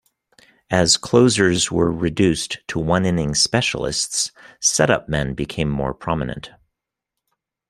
As closers were reduced to one-inning specialists, setup men became more prominent.